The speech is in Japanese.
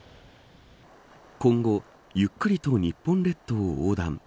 今後ゆっくりと日本列島を横断。